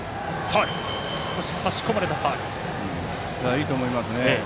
いいと思いますね。